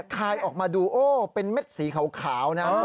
คายออกมาดูโอ้เป็นเม็ดสีขาวนะ